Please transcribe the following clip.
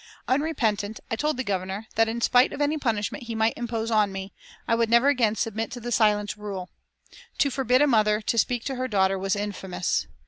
Unrepentant, I told the Governor that, in spite of any punishment he might impose on me, I would never again submit to the silence rule. To forbid a mother to speak to her daughter was infamous.